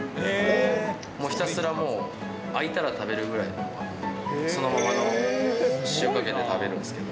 もうひたすらもう、開いたら食べるぐらいの、そのままの塩加減で食べるんですけど。